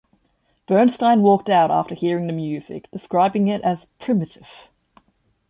Bernstein walked out after hearing the music, describing it as "primitive".